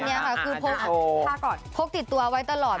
อันนี้ค่ะคือพกติดตัวไว้ตลอด